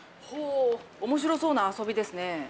ほぉ面白そうな遊びですね。